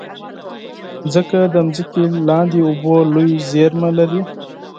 مځکه د ځمکې لاندې اوبو لویې زېرمې لري.